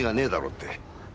って。